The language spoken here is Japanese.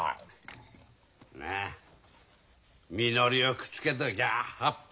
まあみのりをくっつけときゃ八方